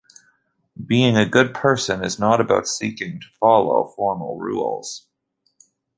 Being a good person is not about seeking to follow formal rules.